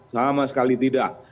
sama sekali tidak